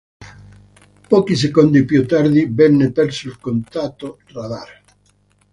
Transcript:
Pochi secondi più tardi venne perso il contatto radar.